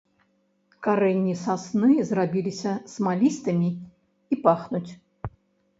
Карэнні сасны зрабіліся смалістымі і пахнуць.